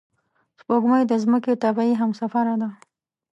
سپوږمۍ د ځمکې طبیعي همسفره ده